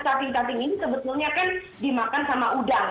karena cacing cacing ini sebetulnya kan dimakan sama udang